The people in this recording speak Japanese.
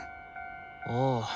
ああ。